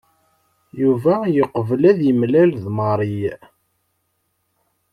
Yuba yeqbel ad yemlal Mary.